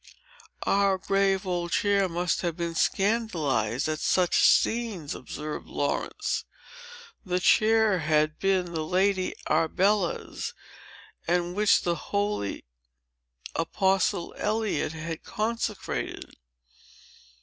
"Our grave old chair must have been scandalized at such scenes," observed Laurence. "The chair that had been the Lady Arbella's, and which the holy Apostle Eliot had consecrated."